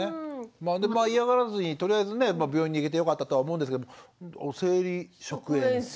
まあでも嫌がらずにとりあえずね病院に行けてよかったとは思うんですけど生理食塩水？